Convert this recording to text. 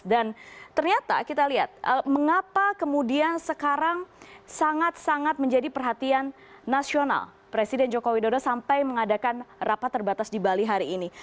dan ternyata kita lihat mengapa kemudian sekarang sangat sangat menjadi perhatian nasional presiden joko widodo sampai mengadakan rapat terbatas di bali hari ini